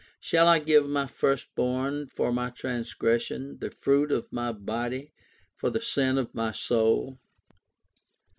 Shall I give my first born for my transgression, the fruit of my body for the sin of my soul